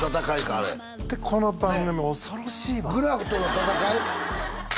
あれちょっと待ってこの番組恐ろしいわグラフとの戦い？